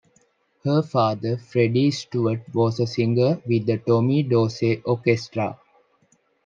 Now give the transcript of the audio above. Her father, Freddie Stewart, was a singer with the Tommy Dorsey Orchestra.